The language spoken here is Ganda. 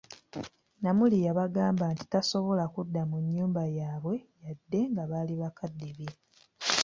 Namuli yabagamba nti tasobola kudda mu nnyumba y'abwe yadde nga baali bakadde be.